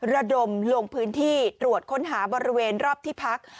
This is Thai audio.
ระดมลงพื้นที่ตรวจค้นหาบริเวณรอบที่พัก